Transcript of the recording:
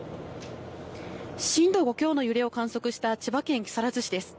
震度５強の揺れを観測した千葉県木更津市です。